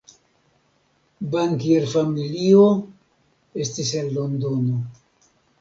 Bankierfamilio estis el Londono.